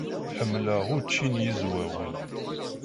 Ḥemmleɣ učči n Yizwawen.